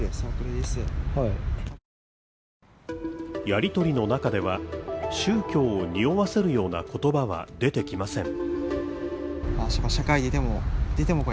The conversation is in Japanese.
やり取りの中では、宗教をにおわせるような言葉は出てきません。